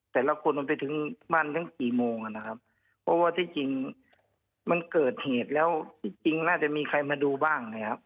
แต่ละคนมันไปถึงบ้านทั้งกี่โมงนะครับเพราะว่าที่จริงมันเกิดเหตุแล้วจริงจริงน่าจะมีใครมาดูบ้างนะครับ